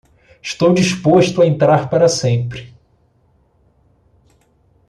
Estou disposto a entrar para sempre.